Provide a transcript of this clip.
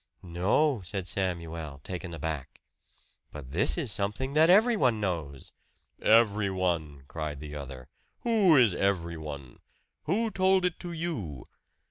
"No," said Samuel, taken aback. "But this is something that everyone knows." "Everyone!" cried the other. "Who is everyone? Who told it to you?"